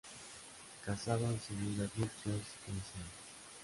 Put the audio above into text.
Casado en segundas nupcias con la Sra.